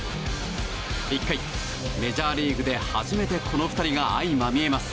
１回メジャーリーグで初めてこの２人が相まみえます。